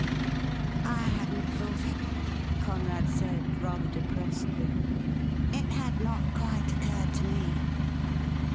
' I hadn't thought it,' Conrad said, rather depressedly. ' It had not quite occurred to me.